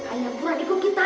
ayah buruanku ikut kita